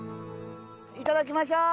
いただきましょう。